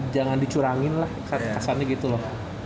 jangan dicurangin lah kesannya gitu loh